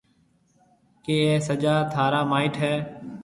ڪِي اَي سجا ٿارا مائيٽ هيَ؟